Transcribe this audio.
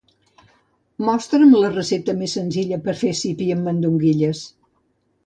Mostra'm la recepta més senzilla per fer sípia amb mandonguilles.